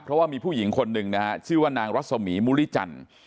เพราะว่ามีผู้หญิงคนหนึ่งนะฮะชื่อว่านางรัศมีมุริจันทร์